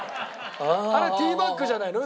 あれティーバッグじゃないの？